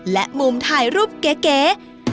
และมุมถ่ายรูปเก๋